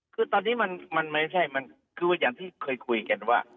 คือตอนนี้มันไม่ใช่มันคืออย่างที่เคยคุยกันว่า